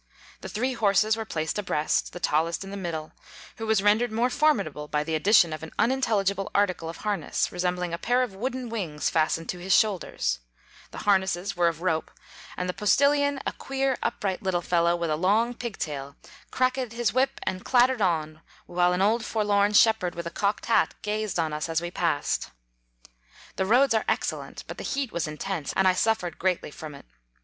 The three horses were placed abreast, the tallest in the middle, who was rendered more formidable by the addition of an unintelligible article of harness, resem bling a pair of wooden wings fastened to his shoulders ; the harnesses were of rope ; and the postillion, a queer, upright little fellow with a long pig tail, craqueed his whip, and clattered on, while an old forlorn shepherd with a cocked hat gazed on us as we passed. The roads are excellent, but the heat was intense, and I suffered greatly from it.